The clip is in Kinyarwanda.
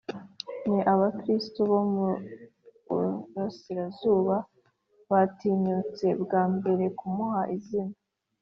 ni abakristu bo mu burasirazuba batinyutse bwa mbere kumuha izina